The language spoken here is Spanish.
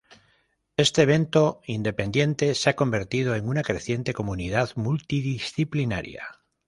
Este evento independiente se ha convertido en una creciente comunidad multidisciplinaria.